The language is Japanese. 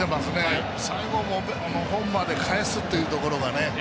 最後、ホームまでかえすというところがね。